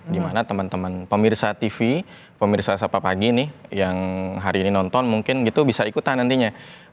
dimana teman teman pemirsa tv pemirsa sapa pagi ini yang hari ini nonton mungkin gitu bisa ikutan nantinya